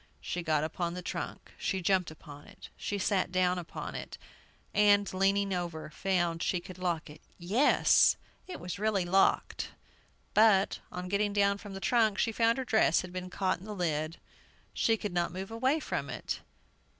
She got upon the trunk; she jumped upon it; she sat down upon it, and, leaning over, found she could lock it! Yes, it was really locked. But, on getting down from the trunk, she found her dress had been caught in the lid; she could not move away from it!